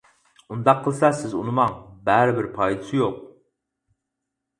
ئۇنداق قىلسا سىز ئۇنىماڭ بەرىبىر پايدىسى يوق.